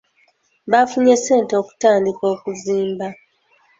Baafunye ssente okutandika okuzimba.